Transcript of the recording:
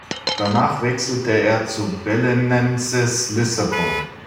Danach wechselte er zu Belenenses Lissabon.